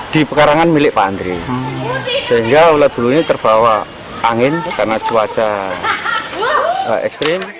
di pekarangan milik pak andri sehingga ulat bulu ini terbawa angin karena cuaca ekstrim